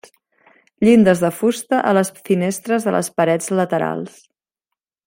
Llindes de fusta a les finestres de les parets laterals.